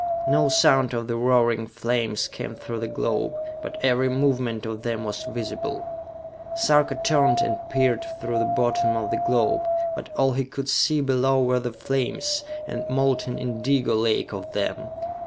No sound of the roaring flames came through the globe, but every movement of them was visible. Sarka turned and peered through the bottom of the globe; but all he could see below were the flames, a molten indigo lake of them.